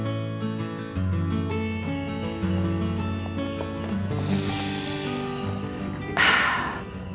suster pulang kampung